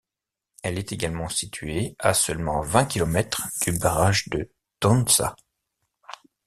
Elle est également située à seulement vingt kilomètres du barrage de Taunsa.